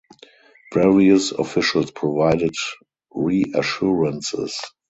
Various officials provided reassurances.